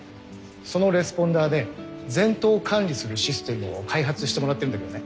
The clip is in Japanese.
そのレスポンダーで全頭管理するシステムを開発してもらってるんだけどね。